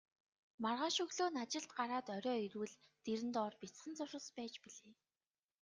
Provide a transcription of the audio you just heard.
Маргааш өглөө нь ажилд гараад орой ирвэл дэрэн доор бяцхан зурвас байж билээ.